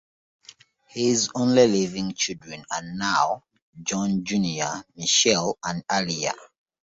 His only living children are now Jon Junior Michelle and Aria.